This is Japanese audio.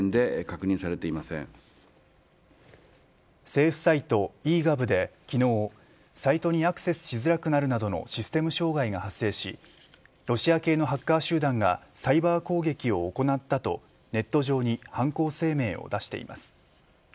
政府サイト・ｅ‐Ｇｏｖで昨日、サイトにアクセスしづらくなるなどのシステム障害が発生しロシア系のハッカー集団がサイバー攻撃を行ったとネット上に犯行声明を出しています。